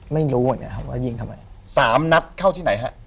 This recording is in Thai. ไม่รู้ไงผมก็ยิงทำไม